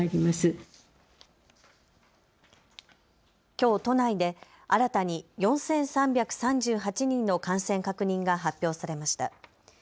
きょう都内で新たに４３３８人の感染確認が発表されました。